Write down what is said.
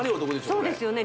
これそうですよね